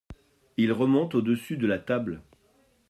Ils remontent au-dessus de la table.